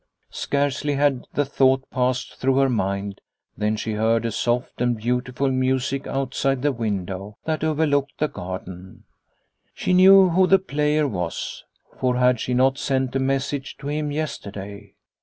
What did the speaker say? Scarcely had the thought passed through her mind than she heard a soft and beautiful music outside the window that overlooked the garden. 256 The Home 257 She knew who the player was, for had she not sent a message to him yesterday